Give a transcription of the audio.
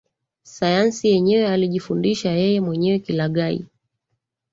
Sayansi yenyewe alijifundisha yeye mwenyewe kilaghai